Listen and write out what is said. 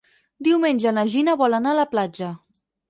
Diumenge na Gina vol anar a la platja.